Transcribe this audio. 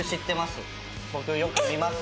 僕よく見ます。